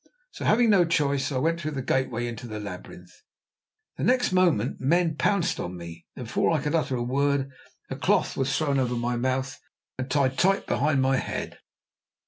So, having no choice, I went through the gateway into the labyrinth. Next moment men pounced on me, and before I could utter a word a cloth was thrown over my mouth and tied tight behind my head.